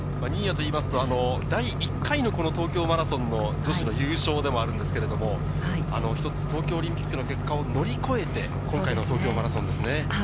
新谷は第１回の東京マラソンの女子の優勝でもあるんですけど、一つ東京オリンピックの結果を乗り越えて今回の東京マラソンですね。